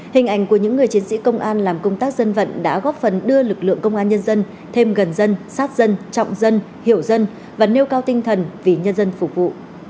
hình ảnh của những người chiến sĩ công an làm công tác dân vận đã góp phần đưa lực lượng công an nhân dân thêm gần dân sát dân trọng dân hiểu dân và nêu cao tinh thần vì nhân dân phục vụ